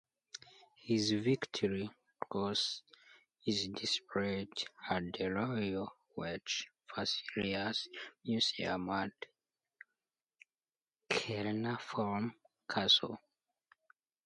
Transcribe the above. His Victoria Cross is displayed at the Royal Welch Fusiliers Museum at Caernarfon Castle.